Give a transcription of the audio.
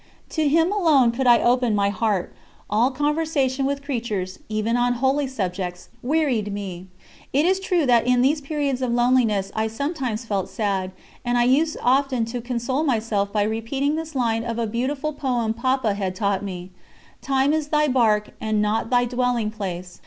To Him alone could I open my heart; all conversation with creatures, even on holy subjects, wearied me. It is true that in these periods of loneliness I sometimes felt sad, and I used often to console myself by repeating this line of a beautiful poem Papa had taught me: "Time is thy barque, and not thy dwelling place."